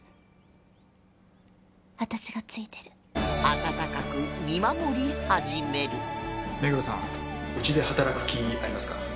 あたたかく見守り始める目黒さんうちで働く気ありますか？